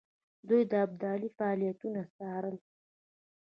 دوی د ابدالي فعالیتونه څارل.